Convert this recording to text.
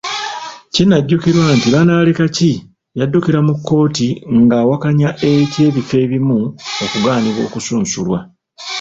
Kinajjjukirwa nti Banalekaki yaddukira amu kkooti nga awakanya eky’ebifo ebimu okugaanibwa okusunsulwa.